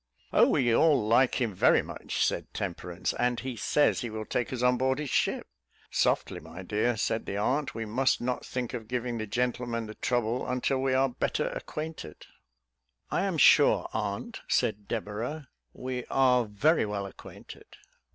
"Oh, we all like him very much," said Temperance; "and he says he will take us on board his ship." "Softly, my dear," said the aunt: "we must not think of giving the gentleman the trouble, until we are better acquainted." "I am sure, aunt," said Deborah, "we are very well acquainted."